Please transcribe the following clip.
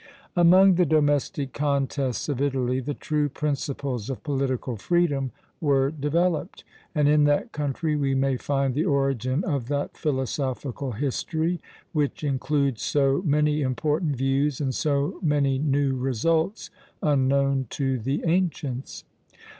Among the domestic contests of Italy the true principles of political freedom were developed; and in that country we may find the origin of that PHILOSOPHICAL HISTORY which includes so many important views and so many new results unknown to the ancients.